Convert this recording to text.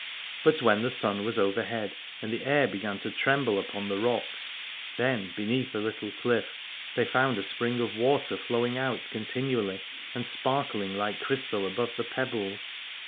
But when the sun was overhead and the air began to tremble upon the rocks, then beneath a little cliff they found a spring of water flowing out continually and sparkling like crystal above the pebbles.